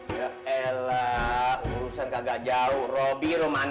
ya elah urusan kagak jauh